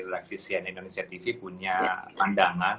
relaksisian indonesia tv punya pandangan